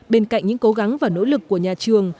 bên cạnh những cố gắng và nỗ lực của nhà trường